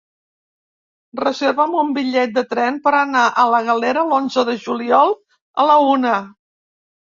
Reserva'm un bitllet de tren per anar a la Galera l'onze de juliol a la una.